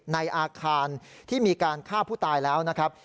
ในอาคารที่มีการฆ่าผู้ตายแล้วนะครับ